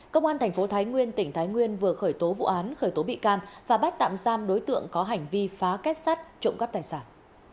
công an thành phố thái nguyên tỉnh thái nguyên vừa khởi tố vụ án khởi tố bị can và bắt tạm giam đối tượng có hành vi phá kết sắt trộm cắp tài sản